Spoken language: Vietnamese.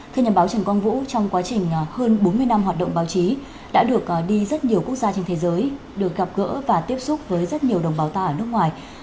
thưa nhà báo trần quang vũ trong quá trình hơn bốn mươi năm hoạt động báo chí đã được đi rất nhiều quốc gia trên thế giới được gặp gỡ và tiếp xúc với rất nhiều đồng bào ta ở nước ngoài